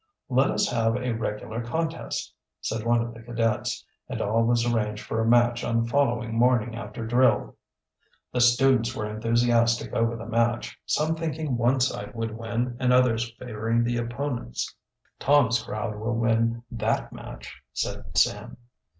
"Let us have a regular contest," said one of the cadets, and all was arranged for a match on the following morning after drill. The students were enthusiastic over the match, some thinking one side would win and others favoring the opponents. "Tom's crowd will win that match," said Sam.